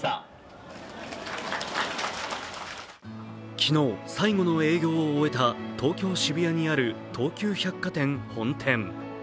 昨日、最後の営業を終えた東京・渋谷にある東急百貨店本店。